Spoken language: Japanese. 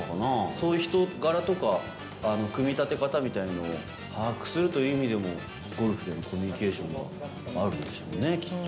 その人柄とか、組み立て方みたいなのを把握するという意味でも、ゴルフでコミュニケーションはあるんでしょうね、きっと。